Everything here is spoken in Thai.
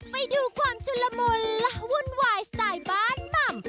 ไปดูความชุนละมุนและวุ่นวายสไตล์บ้านหม่ำ